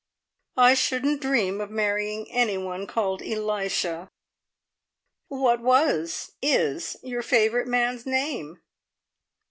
"I shouldn't dream of marrying anyone called Elisha." "What was is your favourite man's name?"